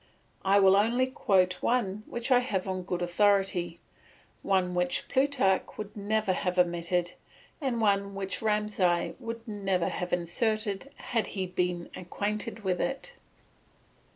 I will only quote one which I have on good authority, one which Plutarch would never have omitted, and one which Ramsai would never have inserted had he been acquainted with it.